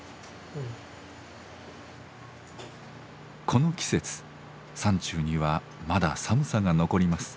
この季節山中にはまだ寒さが残ります。